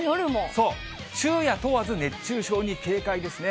そう、昼夜問わず熱中症に警戒ですね。